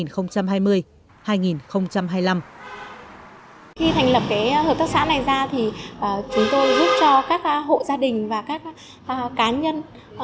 khi thành lập hợp tác xã này ra thì chúng tôi giúp cho các hộ gia đình và các cá nhân